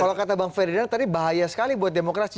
kalau kata bang ferdinand tadi bahaya sekali buat demokrasi